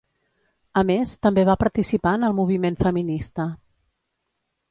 A més, també va participar en el moviment feminista.